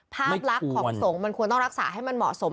ภาพลักษณ์ของสงฆ์มันควรต้องรักษาให้มันเหมาะสม